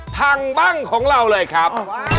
ทางบ้างของเราเลยครับ